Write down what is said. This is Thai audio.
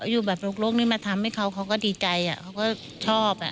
อยู่แบบลกนี่มาทำให้เขาเขาก็ดีใจเขาก็ชอบ